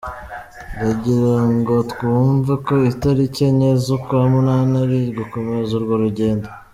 Ndagira ngo twumve ko itariki enye z’ukwa munani, ari ugukomeza urwo rugendo.